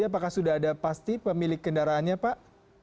apakah sudah ada pasti pemilik kendaraannya pak